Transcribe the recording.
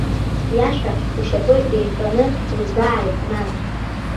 Иашәа ушьапы еиҩҵәаны узбааит, нан.